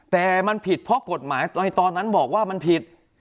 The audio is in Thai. แต่มันผิดเพราะกฎหมายตอนนั้นบอกว่ามันผิด